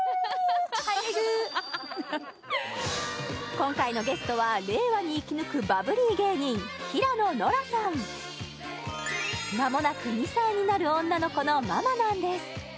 今回のゲストは令和に生き抜くバブリー芸人間もなく２歳になる女の子のママなんです